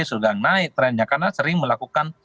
sudah naik trennya karena sering melakukan